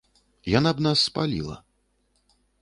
Яна б нас спаліла.